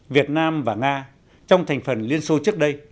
việt nam và nga trong thành phần liên xô trước đây